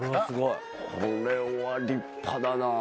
これは立派だな。